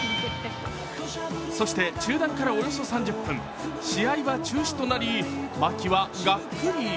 そして中断からおよそ３０分、試合は中止となり、牧はがっくり。